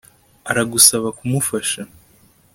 Aragusaba kumufasha